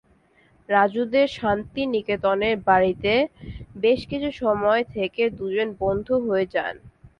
রাজুদের শান্তিনিকেতনের বাড়িতে বেশ কিছু সময় থেকে দুজন বন্ধু হয়ে যান।